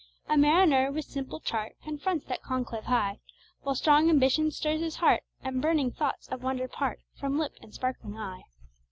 A mariner with simple chart Confronts that conclave high, While strong ambition stirs his heart, And burning thoughts of wonder part From lip and sparkling eye.